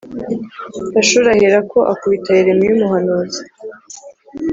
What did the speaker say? Pashuri aherako akubita yeremiya umuhanuzi